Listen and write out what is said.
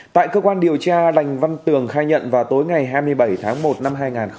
tại cơ quan điều tra đành văn tường khai nhận vào tối ngày hai mươi bảy tháng một năm hai nghìn một mươi chín